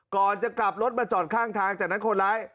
ก่อนจะกลับรถมาจอดข้างทางจากนั้นคนร้าย